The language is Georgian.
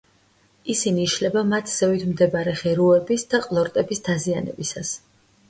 ისინი იშლება მათ ზევით მდებარე ღეროების და ყლორტების დაზიანებისას.